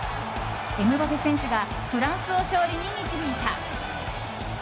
エムバペ選手がフランスを勝利に導いた。